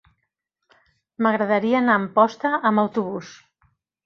M'agradaria anar a Amposta amb autobús.